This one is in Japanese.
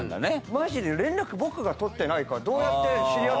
マジで連絡僕が取ってないからどうやって知り合ったの？